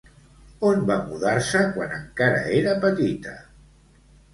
On va mudar-se quan encara era petita?